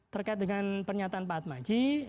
terkait dengan pernyataan pak atmaji